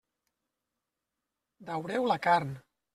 Daureu la carn.